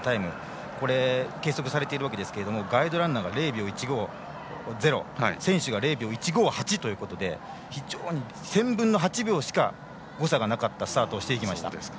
これが、計測されていますがガイドランナーが０秒１５０選手が０秒１５８ということで１０００分の８秒しか誤差がなかったスタートをしていきました。